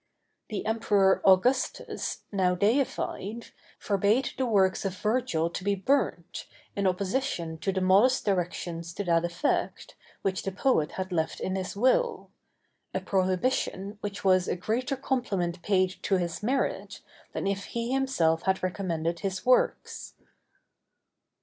The Emperor Augustus, now deified, forbade the works of Virgil to be burnt, in opposition to the modest directions to that effect, which the poet had left in his will: a prohibition which was a greater compliment paid to his merit, than if he himself had recommended his works.